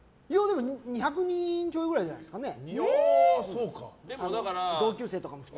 ２００人ちょいぐらいじゃないですかね。